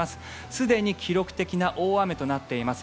すでに記録的な大雨となっています。